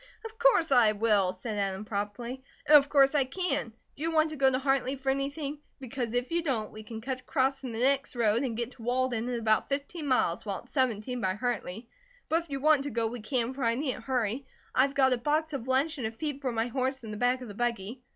"Of course I will," said Adam promptly. "And of course I can. Do you want to go to Hartley for anything? Because if you don't, we can cut across from the next road and get to Walden in about fifteen miles, while it's seventeen by Hartley; but if you want to go we can, for I needn't hurry. I've got a box of lunch and a feed for my horse in the back of the buggy.